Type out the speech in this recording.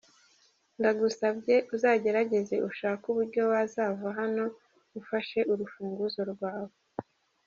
Ndagusabye uzagerageze ushake uburyo wazava hano ufashe urufunguro rwawe.